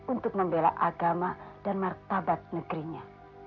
untuk membela agama dan martabat negerinya